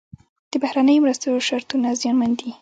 د بهرنیو مرستو شرطونه زیانمن دي.